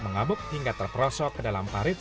mengamuk hingga terperosok ke dalam parit